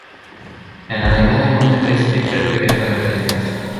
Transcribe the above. En la najbaraj montoj precipe kverkoj kaj fagoj kreskas.